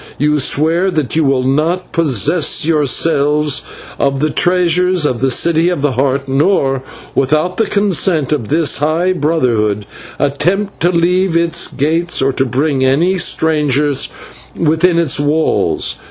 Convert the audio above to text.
You swear that you will not possess yourselves of the treasures of the City of the Heart, nor, without the consent of this high Brotherhood, attempt to leave its gates or to bring any stranger within its walls.